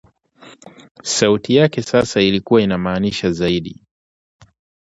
Sauti yake sasa ilikuwa inamaanisha zaidi